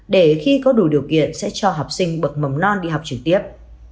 để khi có đủ điều kiện sẽ cho học sinh bậc mầm non đi học trực tiếp